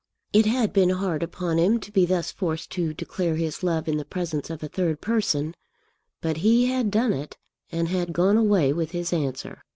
It had been hard upon him to be thus forced to declare his love in the presence of a third person, but he had done it, and had gone away with his answer.